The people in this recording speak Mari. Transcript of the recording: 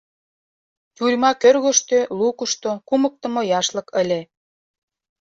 Тюрьма кӧргыштӧ, лукышто кумыктымо яшлык ыле.